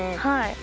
はい。